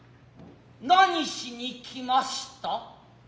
何しに来ました。